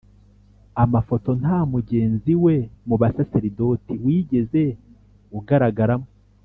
a mafoto nta mugenzi we mu basaseridoti wigeze ugaragaramo.